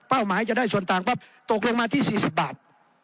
หมายจะได้ส่วนต่างปั๊บตกลงมาที่๔๐บาท